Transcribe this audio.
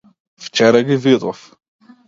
Вчера ги видов.